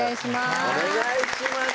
お願いします